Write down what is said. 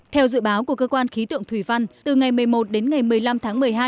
theo dự báo của cơ quan khí tượng thủy văn từ ngày một mươi một đến ngày một mươi năm tháng một mươi hai